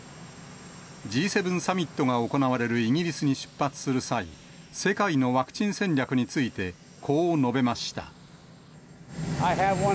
Ｇ７サミットが行われるイギリスに出発する際、世界のワクチン戦略について、こう述べました。